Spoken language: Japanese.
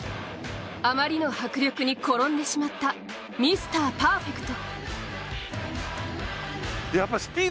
あまりの迫力に転んでしまったミスターパーフェクト。